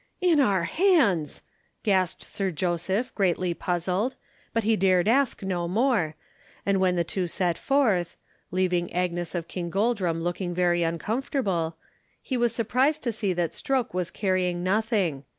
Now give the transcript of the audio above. "In our hands!" gasped Sir Joseph, greatly puzzled, but he dared ask no more, and when the two set forth (leaving Agnes of Kingoldrum looking very uncomfortable), he was surprised to see that Stroke was carrying nothing.